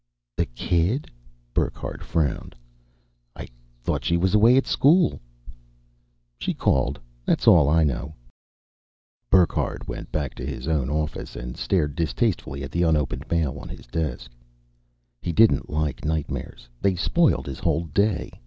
"The kid?" Burckhardt frowned. "I thought she was away at school." "She called, that's all I know." Burckhardt went back to his own office and stared distastefully at the unopened mail on his desk. He didn't like nightmares; they spoiled his whole day.